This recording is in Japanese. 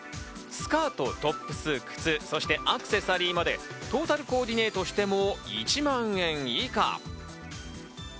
スカート、トップス、靴、そして、アクセサリーまで、トータルコーディネイトしても１万円以下。